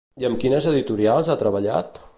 I amb quines editorials ha treballat?